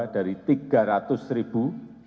dari tiga ratus ribu